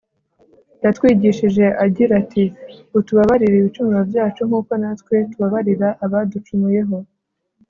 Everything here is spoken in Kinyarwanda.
yatwigishije agira ati .. utubabarire ibicumuro byacu, nk'uko natwe tubabarira abaducumuyeho.